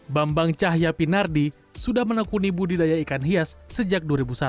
bambang cahya pinardi sudah menekuni budidaya ikan hias sejak dua ribu satu